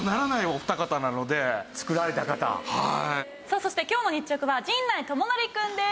そして今日の日直は陣内智則くんです！